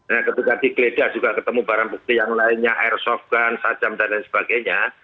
dan ketika dikeleja juga ketemu barang berpikir yang lainnya airsoft gun sajam dan lain sebagainya